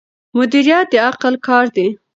مدیریت د عقل کار دی.